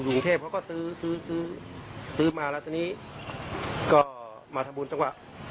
หรุงเทพเขาก็ซื้อซื้อซื้อซื้อมาแล้วตอนนี้ก็มาทำบุญจำว่า